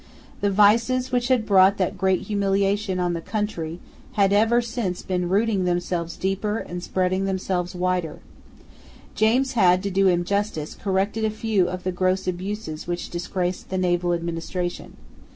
The vices which had brought that great humiliation on the country had ever since been rooting themselves deeper and spreading themselves wider. James had, to do him justice, corrected a few of the gross abuses which disgraced the naval administration.